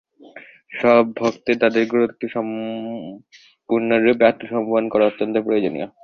সব ভক্তের তাদের গুরুকে সম্পূর্ণরূপে আত্মসমর্পণ করা, অত্যন্ত প্রয়োজনীয়।